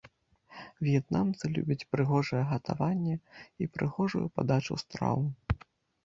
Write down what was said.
В'етнамцы любяць прыгожае гатаванне і прыгожую падачу страў.